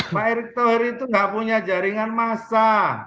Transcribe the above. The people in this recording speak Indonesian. pak erik thohir itu tidak punya jaringan massa